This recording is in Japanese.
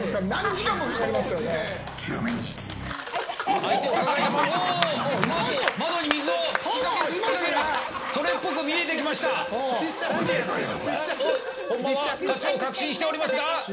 本間は勝ちを確信していますが。